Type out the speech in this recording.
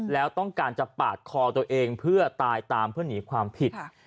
แล้วต้องการจะปาดคอตัวเองเพื่อตายตามเพื่อหนีความผิด